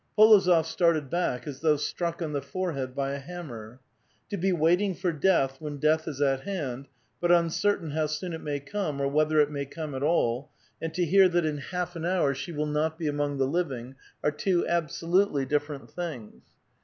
P61ozof started back as though struck on the forehead by a hammer. To be waiting for death, when death is at hand, but uncertain how soon it may come, or whether it may come at all, and to hear that in half an hour she will not be among the living, are two absolutely different things.